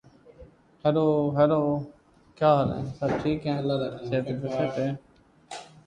Recently, however, monsters have been appearing.